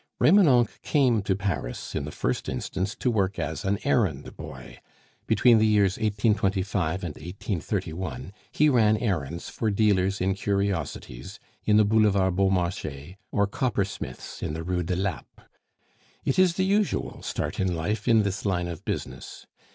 Remonencq came to Paris in the first instance to work as an errand boy. Between the years 1825 and 1831 he ran errands for dealers in curiosities in the Boulevard Beaumarchais or coppersmiths in the Rue de Lappe. It is the usual start in life in his line of business.